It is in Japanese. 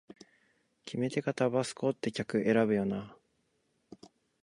決め手がタバスコって客選ぶよなあ